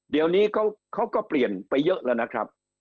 เดี๋ยวนี้เขาก็เปลี่ยนไปเยอะแล้วนะครับ